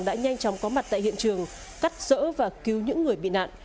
đã nhanh chóng có mặt tại hiện trường cắt rỡ và cứu những người bị nạn